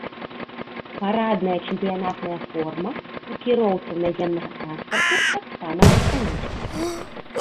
Парадная чэмпіянатная форма ў кіроўцаў наземнага транспарту таксама застанецца.